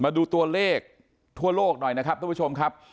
มาดูตัวเลขทั่วโลกหน่อยนะครับทุกผู้ชมครับ